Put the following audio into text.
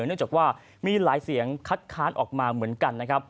เนื่องจากว่ามีหลายเสียงคัดค้านออกมาเหมือนกันนะครับ